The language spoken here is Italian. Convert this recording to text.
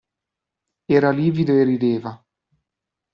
Era livido e rideva.